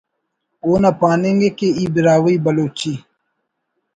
اونا پاننگ ءِ کہ ای براہوئی بلوچی